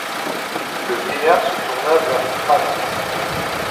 Le vieillard se tourna vers le pâtre.